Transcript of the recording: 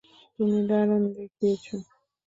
তুমি দারুণ দেখিয়েছ।